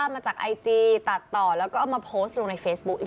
มาจากไอจีตัดต่อแล้วก็เอามาโพสต์ลงในเฟซบุ๊คอีก